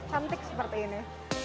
cantik seperti ini